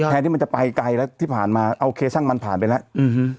ที่มันจะไปไกลแล้วที่ผ่านมาโอเคช่างมันผ่านไปแล้วอืม